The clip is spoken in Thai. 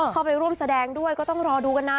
เข้าไปร่วมแสดงด้วยก็ต้องรอดูกันนะ